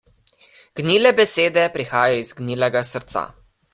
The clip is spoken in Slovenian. Gnile besede prihajajo iz gnilega srca.